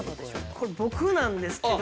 これ僕なんですけど。